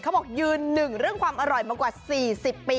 เขาบอกยืน๑เรื่องความอร่อยมากกว่า๔๐ปี